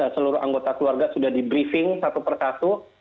seluruh anggota keluarga sudah di briefing satu per kasus